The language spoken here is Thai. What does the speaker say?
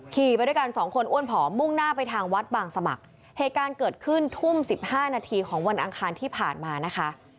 ไปด้วยกันสองคนอ้วนผอมมุ่งหน้าไปทางวัดบางสมัครเหตุการณ์เกิดขึ้นทุ่มสิบห้านาทีของวันอังคารที่ผ่านมานะคะ